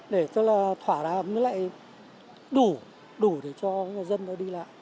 để thỏa ra mới lại đủ đủ để cho dân đó đi lại